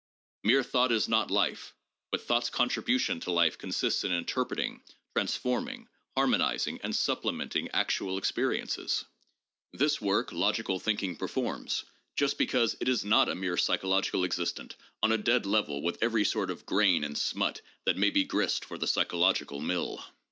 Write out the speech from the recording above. Mere thought is not life, but thought's contribution to life consists in interpreting, trans forming, harmonizing and supplementing actual experiences. This work logical thinking performs just because it is not a mere psy chological existent on a dead level with every sort of grain and smut that may be grist for the psychological mill.